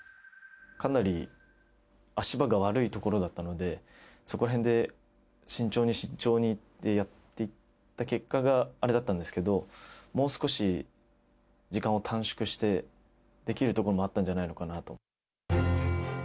かなり足場が悪い所だったので、そこら辺で慎重に慎重にってやっていった結果があれだったんですけど、もう少し時間を短縮して、できるところもあったんじゃないのかなと。